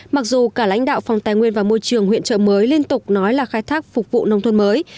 mặc dù cả lãnh đạo phòng tài nguyên và môi trường huyện trợ mới liên tục nói là khai thác phục vụ nông thôn mới